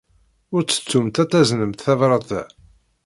Ur ttettumt ad taznemt tabṛat-a.